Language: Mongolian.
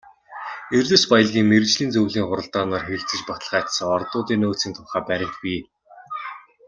Эрдэс баялгийн мэргэжлийн зөвлөлийн хуралдаанаар хэлэлцэж баталгаажсан ордуудын нөөцийн тухай баримт бий.